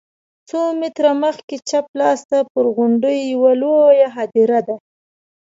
څو متره مخکې چپ لاس ته پر غونډۍ یوه لویه هدیره ده.